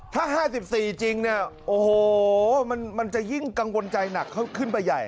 ถ้า๕๔จริงเนี่ยโอ้โหมันจะยิ่งกังวลใจหนักขึ้นไปใหญ่